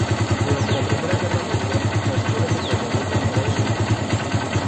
Durante la Primera Guerra Mundial, la Escuela se trasladó temporalmente a Pisa.